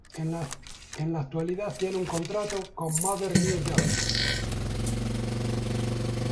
En la actualidad tiene un contrato con Mother New York.